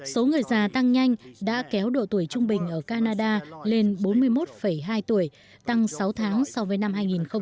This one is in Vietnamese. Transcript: số người già tăng nhanh đã kéo độ tuổi trung bình ở canada lên bốn mươi một hai tuổi tăng sáu tháng so với năm hai nghìn một mươi tám